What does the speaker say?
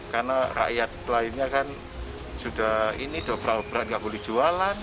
karena rakyat lainnya kan sudah ini dobra obra gak boleh jualan